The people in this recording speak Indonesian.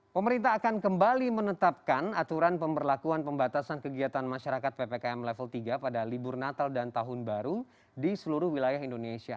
pemerintah akan kembali menetapkan aturan pemberlakuan pembatasan kegiatan masyarakat ppkm level tiga pada libur natal dan tahun baru di seluruh wilayah indonesia